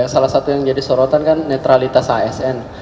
salah satu yang jadi sorotan kan netralitas asn